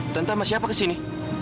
tante sama siapa kesini